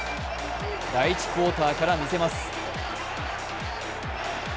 第１クオーターから見せます。